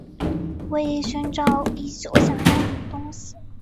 我寻找已久想要的东西